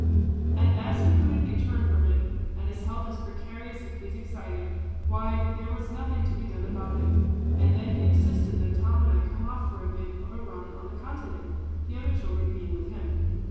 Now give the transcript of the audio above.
"And as he couldn't be turned from it, and his health is precarious if he is excited, why, there was nothing to be done about it. And then he insisted that Tom and I come off for a bit of a run on the Continent, the other children being with him.